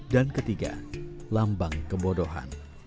dan ketiga lambang kebodohan